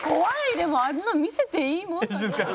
でもあんなの見せていいもんなんですか？